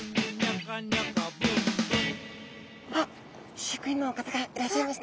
あっ飼育員の方がいらっしゃいました。